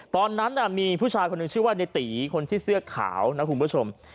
ตอนนั้นมีผู้ชายคนหนึ่งชื่อว่าในตีคนที่เสื้อขาวนะคุณผู้ชม